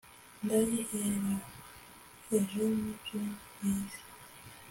Ndayiheraheje ni byo bizi!